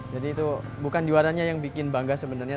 jadi itu bukan juaranya yang bikin bangga sebenarnya